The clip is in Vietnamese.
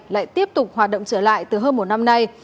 lại tiếp tục hoạt động trở lại từ hơn một năm nay